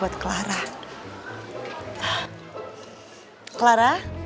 regina kau lebih kedua apa